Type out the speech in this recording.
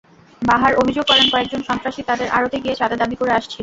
বাহার অভিযোগ করেন, কয়েকজন সন্ত্রাসী তাঁদের আড়তে গিয়ে চাঁদা দাবি করে আসছিল।